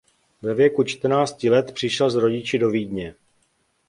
Ve věku čtrnácti let přišel s rodiči do Vídně.